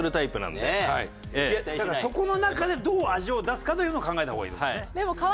だからそこの中でどう味を出すかというのを考えた方がいいって事ですね。